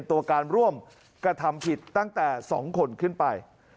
ตัวการร่วมกระทำผิดตั้งแต่๒คนขึ้นไป